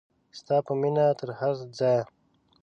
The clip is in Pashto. ستا په مینه تر هر ځایه.